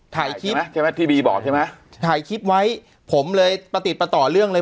ถ่ายคลิปใช่ไหมที่บีบอกใช่ไหมถ่ายคลิปไว้ผมเลยประติดประต่อเรื่องเลย